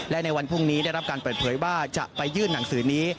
และในวันพรุ่งนี้ได้รับการเปิดเผยว่าจะไปยื่นหนังสือนี้